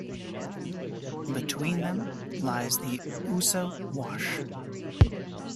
Between them lies The Ouse Wash.